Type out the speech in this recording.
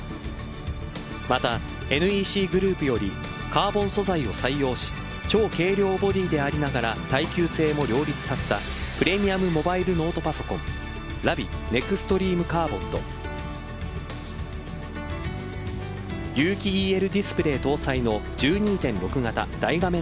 また、ＮＥＣグループよりカーボン素材を採用し超軽量ボディでありながら耐久性も両立させたプレミアムモバイルノートパソコンＬＡＶＩＥＮＥＸＴＲＥＭＥＣａｒｂｏｎと有機ＥＬディスプレイ搭載の１２．６型大画面